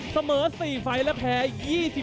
สวัสดีครับสวัสดีครับ